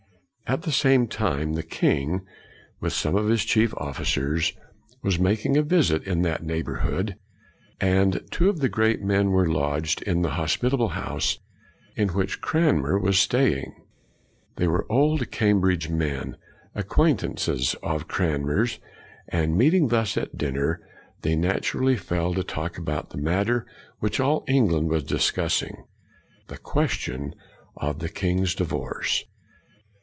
At the same time, the king, with some of his chief officers, was 76 CRANMER making a visit in that neighborhood, and two of the great men were lodged in the hospitable house in which Cranmer was staying. They were old Cambridge men, acquaintances of Cranmer's, and meeting thus at dinner they naturally fell to talk ing about the matter which all England was discussing, the question of the king's divorce.